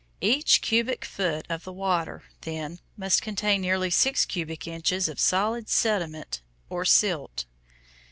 Each cubic foot of the water, then, must contain nearly six cubic inches of solid sediment or silt.